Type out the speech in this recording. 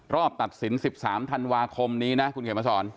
ตัดสิน๑๓ธันวาคมนี้นะคุณเขียนมาสอน